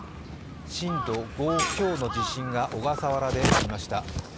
震度５強の地震が小笠原でありました。